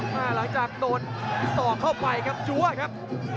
หลังจากโดนสอกเข้าไปครับจั๊วครับ